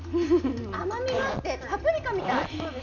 甘みがあって、パプリカみたい。